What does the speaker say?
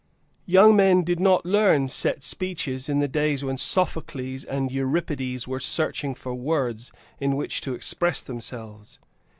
Young men did not learn set speeches in the days when Sophocles and Euripides were searching for words in which to express themselves.